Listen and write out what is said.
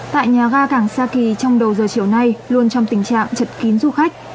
tại nhà ga cảng sa kỳ trong đầu giờ chiều nay luôn trong tình trạng chật kín du khách